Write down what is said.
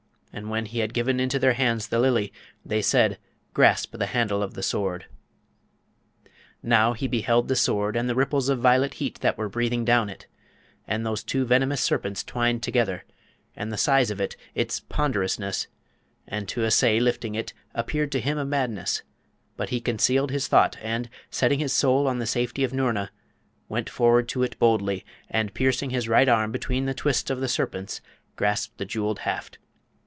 And when he had given into their hands the Lily, they said, 'Grasp the handle of the Sword!' Now, he beheld the Sword and the ripples of violet heat that were breathing down it, and those two venomous serpents twined together, and the size of it, its ponderousness; and to essay lifting it appeared to him a madness, but he concealed his thought, and, setting his soul on the safety of Noorna, went forward to it boldly, and piercing his right arm between the twists of the serpents, grasped the jewelled haft.